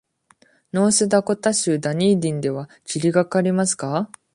ノースダコタ州ダニーディンでは、霧がかりますか？